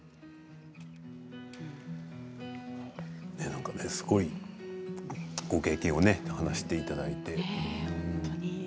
なんかすごいご経験を話していただいて。